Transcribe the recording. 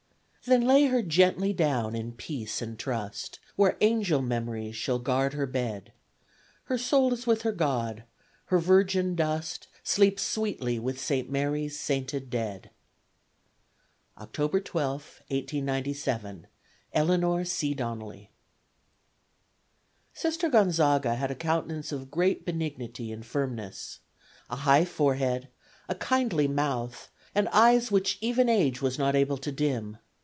Then lay her gently down, in peace and trust, Where angel memories shall guard her bed; Her soul is with her God; her virgin dust Sleeps sweetly with Saint Mary's sainted dead! October 12, 1897. ELEANOR C. DONNELLY. Sister Gonzaga had a countenance of great benignity and firmness. A high forehead, a kindly mouth and eyes which even age was not able to dim.